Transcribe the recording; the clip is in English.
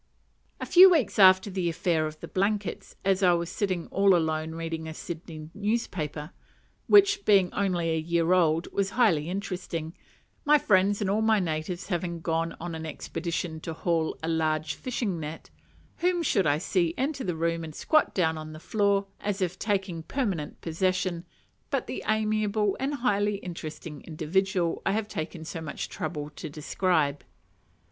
A few weeks after the affair of the blankets, as I was sitting all alone reading a Sydney newspaper (which, being only a year old, was highly interesting), my friends and all my natives having gone on an expedition to haul a large fishing net, whom should I see enter the room and squat down on the floor, as if taking permanent possession, but the amiable and highly interesting individual I have taken so much trouble to describe.